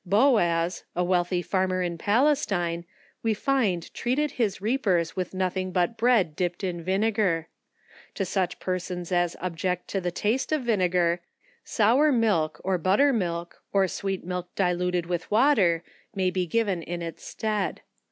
Boaz, a wealthy farmer in Palestine, we find treated his reapers with nothing but bread dip ped in vinegar. To such persons as object to the taste of vinegar, sour milk, or buttermilk, or sweet milk diluted with water, may be given in its stead.